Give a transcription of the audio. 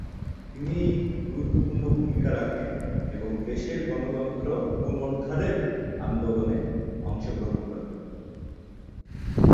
তিনি গুরুত্বপূর্ণ ভূমিকা রাখেন এবং দেশে গণতন্ত্র পুনরুদ্ধারের আন্দোলনে অংশগ্রহণ করেন।